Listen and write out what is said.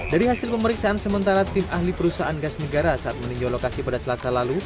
dari hasil pemeriksaan sementara tim ahli perusahaan gas negara saat meninjau lokasi pada selasa lalu